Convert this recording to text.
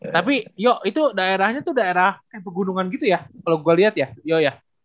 tapi yo itu daerahnya itu daerah kayak pegunungan gitu ya kalau gue lihat ya yo ya